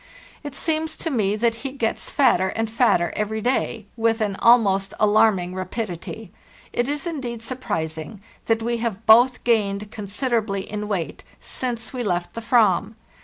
It seems to me that he gets fatter and fatter every day, with an almost alarming rapidity. It is indeed surprising that we have both gained con siderably in weight since we left the Aram.